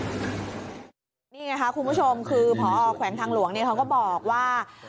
นี่ไงค่ะคุณผู้ชมคือพอแขวงทางหลวงเขาก็บอกว่า